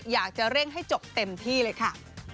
อยากจะเร่งให้จบเต็มที่เลยค่ะ